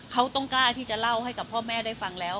เขาต้องกล้าที่จะเล่าให้กับพ่อแม่ได้ฟังแล้ว